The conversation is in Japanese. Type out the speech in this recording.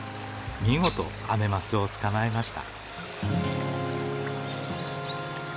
見事アメマスを捕まえました。